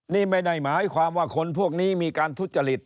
นี่ไม่ได้หมายความว่าคนพวกนี้มีการทุจริต